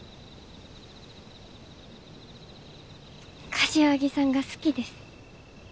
柏木さんが好きです。